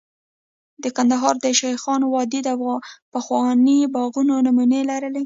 د کندهار د شیخانو وادي د پخوانیو باغونو نمونې لري